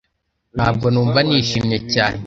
Ntabwo numva nishimye cyane